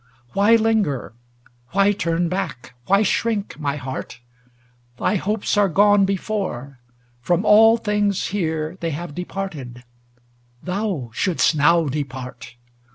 LIII Why linger, why turn back, why shrink, my Heart ? Thy hopes are gone before; from all things here They have departed ; thou shouldst now depart